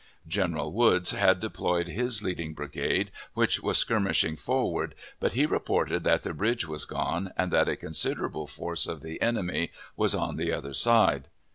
General Woods had deployed his leading brigade, which was skirmishing forward, but he reported that the bridge was gone, and that a considerable force of the enemy was on the other side.